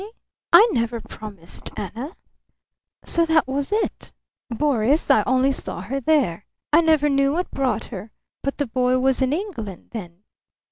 "I? I never promised Anna! ... So that was it? Boris, I only saw her there. I never knew what brought her. But the boy was in England then."